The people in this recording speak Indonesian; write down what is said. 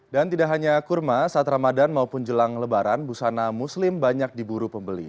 dan tidak hanya kurma saat ramadan maupun jelang lebaran busana muslim banyak diburu pembeli